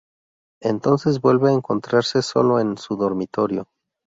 Entonces vuelve a encontrarse solo en su dormitorio.